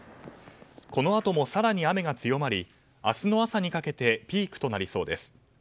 このあとも更に雨が強まり明日の朝にかけてピークとなりそうです。